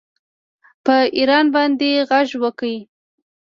په ایران باندې غږ وکړ